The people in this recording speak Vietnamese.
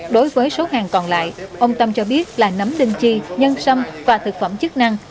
đối với số hàng còn lại ông tâm cho biết là nấm đinh chi nhân sâm và thực phẩm chức năng